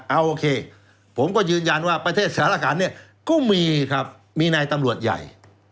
เอาโอเคผมก็ยืนยันว่าประเทศสารขันเนี่ยก็มีครับมีนายตำรวจใหญ่